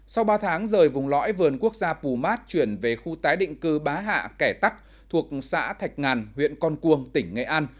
sau ba tháng rời vùng lõi vườn quốc gia pù mát chuyển về khu tái định cư bá hạ kẻ tắc thuộc xã thạch ngàn huyện con cuông tỉnh nghệ an